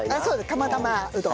釜玉うどん。